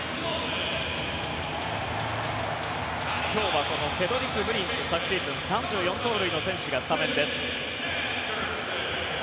今日はセドリク・ムリンス昨シーズン３４盗塁の選手がスタメンです。